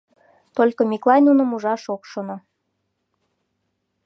Только Миклай нуным ужаш ок шоно.